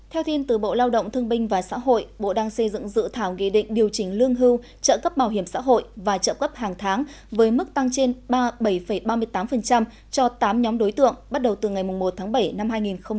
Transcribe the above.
theo tin từ bộ lao động thương binh và xã hội bộ đang xây dựng dự thảo nghị định điều chỉnh lương hưu trợ cấp bảo hiểm xã hội và trợ cấp hàng tháng với mức tăng trên bảy ba mươi tám cho tám nhóm đối tượng bắt đầu từ ngày một tháng bảy năm hai nghìn hai mươi